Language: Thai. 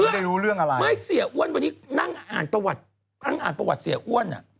อ๋อซับซ้อนไหมล่ะไม่เสียอ้วนวันนี้นั่งอ่านประวัติเสียอ้วน